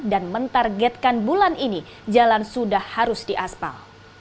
dan mentargetkan bulan ini jalan sudah harus diaspal